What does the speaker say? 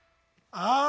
ああ！